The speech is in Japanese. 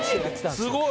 すごい。